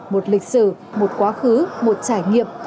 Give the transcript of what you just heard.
một lịch sử một quá khứ một trải nghiệm